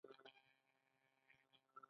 دا د یونیسکو میراث دی.